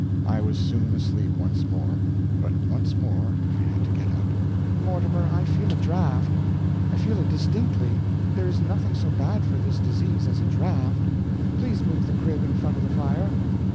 I was soon asleep once more, but once more I had to get up. "Mortimer, I feel a draft. I feel it distinctly. There is nothing so bad for this disease as a draft. Please move the crib in front of the fire."